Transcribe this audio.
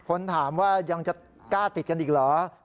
คนถามว่ายังจะกล้าติดกันอีกเหรอ